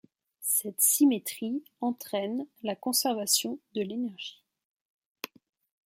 Cette symétrie entraine la conservation de l'énergie.